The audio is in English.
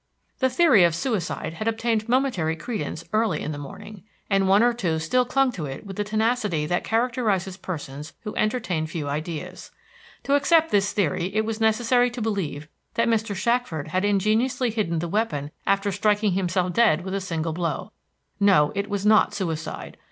The theory of suicide had obtained momentary credence early in the morning, and one or two still clung to it with the tenacity that characterizes persons who entertain few ideas. To accept this theory it was necessary to believe that Mr. Shackford had ingeniously hidden the weapon after striking himself dead with a single blow. No, it was not suicide.